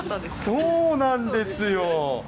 そうなんですよ。